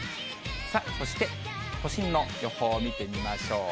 さあ、そして都心の予報を見てみましょう。